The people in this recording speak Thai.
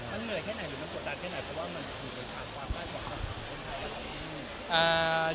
มันเหนื่อยแค่ไหนหรือมันตัวตัดแค่ไหนเพราะว่ามันอยู่ในขาดความร่าชอบของคนไทย